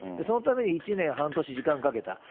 そのために１年、半年時間かけた。